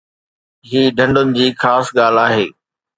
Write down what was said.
هي ڍنڍن جي خاص ڳالهه آهي